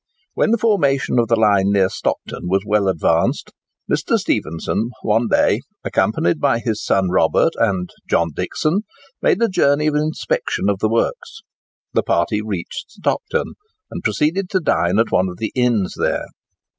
When the formation of the line near Stockton was well advanced, Mr. Stephenson one day, accompanied by his son Robert and John Dixon, made a journey of inspection of the works. The party reached Stockton, and proceeded to dine at one of the inns there.